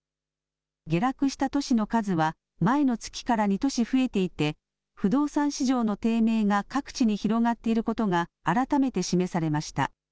下落した都市の数は前の月から２都市増えていて不動産市場の低迷が各地に広がっていることが改めて示されました。